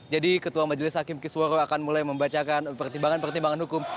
jadi ketua majelis hakim kisworo akan mulai membacakan pertimbangan pertimbangan hukum